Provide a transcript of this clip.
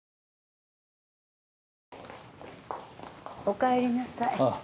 おかえりなさい。